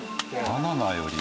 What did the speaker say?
バナナより？